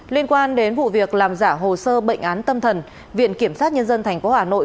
liên quan đến vụ việc làm giả hồ sơ bệnh án tâm thần viện kiểm sát nhân dân tp hà nội